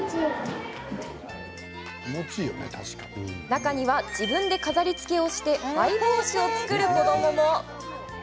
中には自分で飾りつけをしてマイ帽子を作る子どもも。